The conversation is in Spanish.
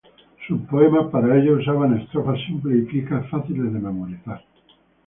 Sus poemas para ellos usaban estrofas simples y fijas, fáciles de memorizar.